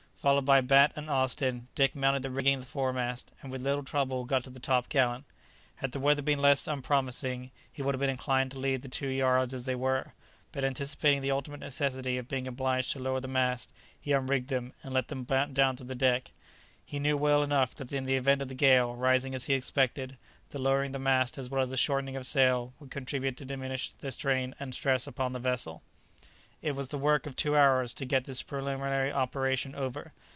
Followed by Bat and Austin, Dick mounted the rigging of the foremast, and with little trouble got to the top gallant. Had the weather been less unpromising he would have been inclined to leave the two yards as they were, but anticipating the ultimate necessity of being obliged to lower the mast, he unrigged them, and let them down to the deck; he knew well enough that in the event of the gale rising as he expected, the lowering of the mast as well as the shortening of sail would contribute to diminish the strain and stress upon the vessel. It was the work of two hours to get this preliminary operation over.